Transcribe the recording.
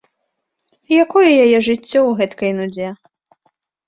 Якое яе жыццё ў гэткай нудзе?